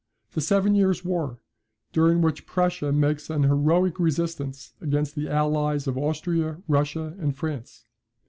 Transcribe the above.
The Seven Years' War, during which Prussia makes an heroic resistance against the allies of Austria, Russia, and France.